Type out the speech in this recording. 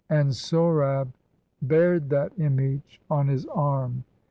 And Sohrab bar'd that image on his arm.